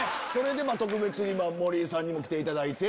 特別に森さんに来ていただいて。